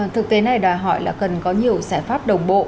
thực tế này đòi hỏi là cần có nhiều giải pháp đồng bộ